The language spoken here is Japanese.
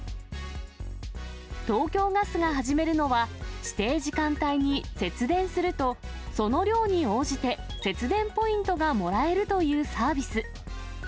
東京ガスが始めるのは、指定時間帯に節電すると、その量に応じて節電ポイントがもらえるというサービス。